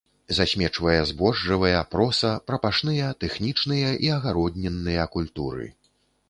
Засмечвае збожжавыя, проса, прапашныя, тэхнічныя і агароднінныя культуры.